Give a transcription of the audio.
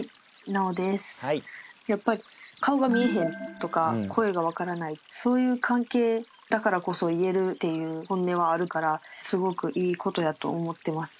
顔が見えへんとか声がわからないそういう関係だからこそ言えるっていう本音はあるからすごくいいことやと思ってます。